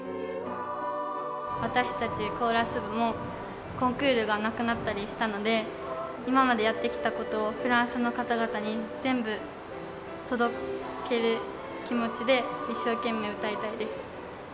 私たちコーラス部も、コンクールがなくなったりしたので、今までやってきたことをフランスの方々に全部届ける気持ちで、一生懸命歌いたいです。